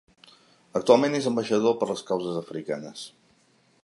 Actualment és ambaixador per les causes africanes.